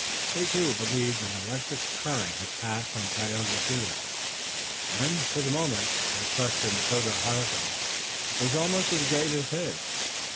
They, too, believed. An electric current had passed from Tayoga to them, and, for the moment, their trust in Tododaho was almost as great as his.